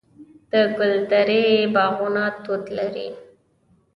د ګلدرې باغونه توت لري.